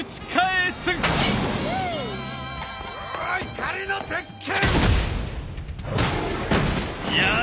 怒りの鉄拳！